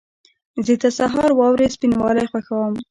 زه د سهار واورې سپینوالی خوښوم.